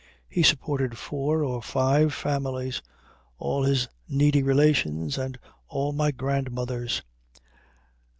he supported four or five families all his needy relations and all my grandmother's."